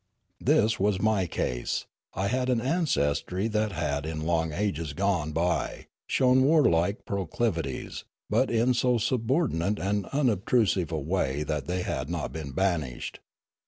" This was my case. I had an ancestry that had in long ages gone by shown warlike proclivities, but in so subordinate and unobtrusive a way that they had not been banished.